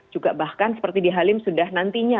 juga bahkan seperti di halim sudah nantinya